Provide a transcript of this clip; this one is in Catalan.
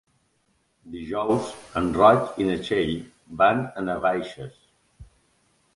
Dijous en Roc i na Txell van a Navaixes.